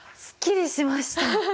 すっきりしました！